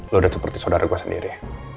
lu udah seperti saudara gue sendiri